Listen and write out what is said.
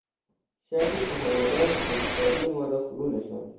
شرحی که هما داد کنجکاوی ما را فرونشاند.